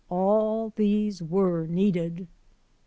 All these were needed.